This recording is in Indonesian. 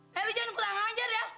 eh lu jangan kurang kurang ajar ya